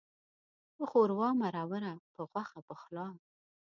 په ښوروا مروره، په غوښه پخلا.